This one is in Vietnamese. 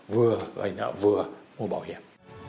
vừa gây nợ vừa mua bảo hiểm